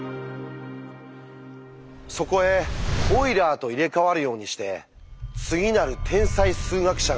そこへオイラーと入れ代わるようにして次なる天才数学者が現れます。